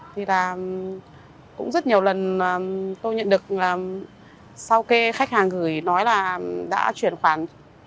thì là cũng rất nhiều lần tôi nhận được là sau khi khách hàng gửi nói là đã chuyển khoản